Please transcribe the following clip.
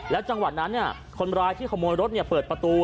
จังหวัดนั้นคนร้ายที่ขโมยรถเปิดประตู